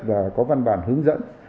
và có văn bản hướng dẫn